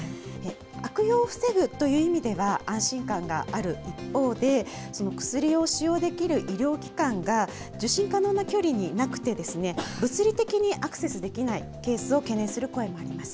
悪用を防ぐという意味では、安心感がある一方で、その薬を使用できる医療機関が受診可能な距離になくて、物理的にアクセスできないケースを懸念する声もあります。